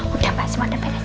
udah pak semua udah beres